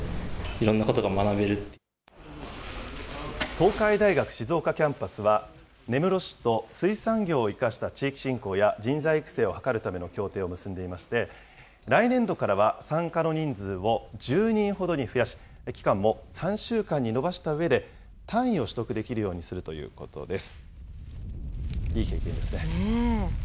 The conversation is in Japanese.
東海大学静岡キャンパスは、根室市と水産業を生かした地域振興や、人材育成を図るための協定を結んでいまして、来年度からは参加の人数を１０人ほどに増やし、期間も３週間に延ばしたうえで単位を取得できるようにするということです。